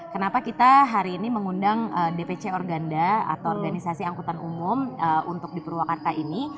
kenapa kita hari ini mengundang dpc organda atau organisasi angkutan umum untuk di purwakarta ini